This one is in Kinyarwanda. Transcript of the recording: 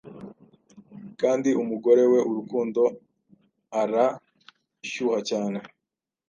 Kandi umugore we urukundo arashyuha cyane